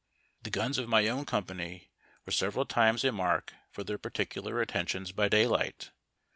The guns of my own company were several times a mark for their particular attentions by 'daylight.